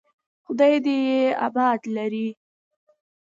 خداى دې يې اباد لري.